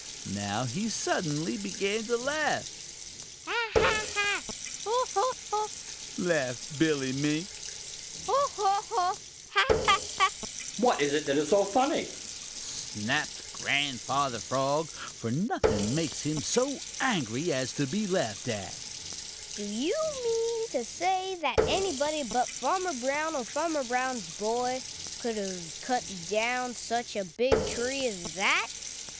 Now he suddenly began to laugh. "Ha, ha, ha! Ho, ho, ho!" laughed Billy Mink. "Ho, ho, ho! Ha, ha, ha!" "What is it that is so funny?" snapped Grandfather Frog, for nothing makes him so angry as to be laughed at. "Do you mean to say that anybody but Farmer Brown or Farmer Brown's boy could have cut down such a big tree as that?"